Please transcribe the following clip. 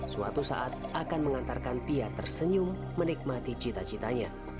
suatu saat akan mengantarkan pia tersenyum menikmati cita citanya